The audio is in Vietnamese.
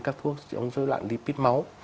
các thuốc chống dối loạn lipid máu